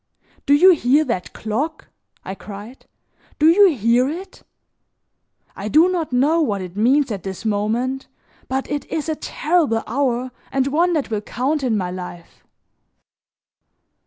"Do you hear that clock?" I cried, "do you hear it? I do not know what it means at this moment, but it is a terrible hour and one that will count in my life."